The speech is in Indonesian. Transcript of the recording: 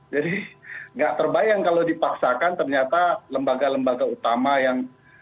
nggak terbayang kalau dipaksakan ternyata lembaga lembaga utama yang